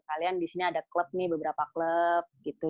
kalian di sini ada klub nih beberapa klub gitu